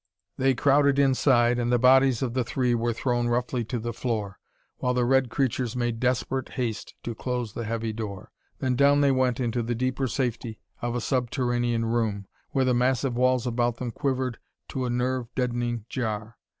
They crowded inside, and the bodies of the three were thrown roughly to the floor, while the red creatures made desperate haste to close the heavy door. Then down they went into the deeper safety of a subterranean room, where the massive walls about them quivered to a nerve deadening jar.